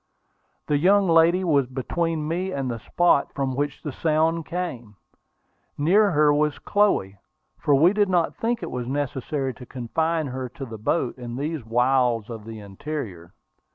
The young lady was between me and the spot from which the sound came. Near her was Chloe, for we did not think it was necessary to confine her to the boats in these wilds of the interior.